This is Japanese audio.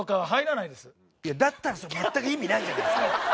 だったらそれ全く意味ないじゃないですか。